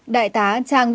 tại quận chín